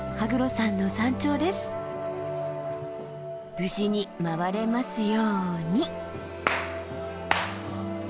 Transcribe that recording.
無事に回れますように。